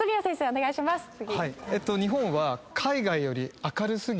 お願いします。